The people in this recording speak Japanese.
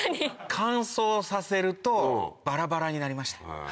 乾燥させるとバラバラになりましたね。